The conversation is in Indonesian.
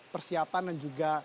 persiapan dan juga